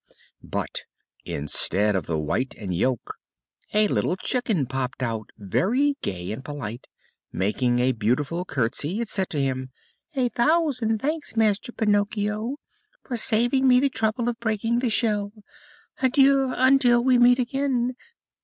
But, instead of the white and the yolk a little chicken popped out very gay and polite. Making a beautiful courtesy it said to him: "A thousand thanks, Master Pinocchio, for saving me the trouble of breaking the shell. Adieu until we meet again.